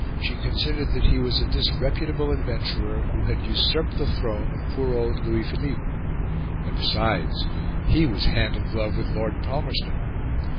She considered that he was a disreputable adventurer who had usurped the throne of poor old Louis Philippe; and besides he was hand in glove with Lord Palmerston.